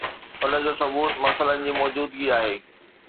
ان جو ثبوت مسئلن جي موجودگي آهي